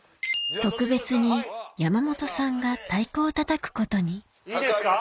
特別に山本さんが太鼓をたたくことにいいですか？